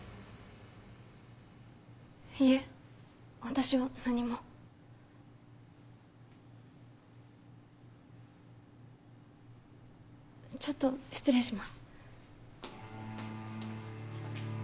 いえ私は何もちょっと失礼します